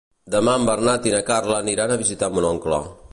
Demà en Bernat i na Carla aniran a visitar mon oncle.